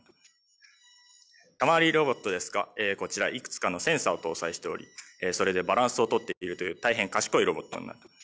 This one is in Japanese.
・玉乗りロボットですがこちらいくつかのセンサを搭載しておりそれでバランスを取っているという大変賢いロボットになって。